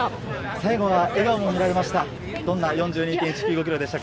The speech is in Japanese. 最後は笑顔も見られました。